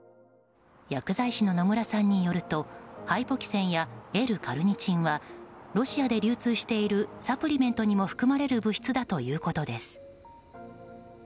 薬剤師の野村さんによるとハイポキセンやＬ‐カルニチンはロシアで流通しているサプリメントにも含まれる物質だということです。